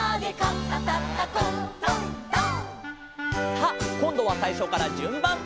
「」さあこんどはさいしょからじゅんばん。